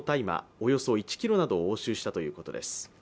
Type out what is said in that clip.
およそ１ｋｇなどを押収したということです。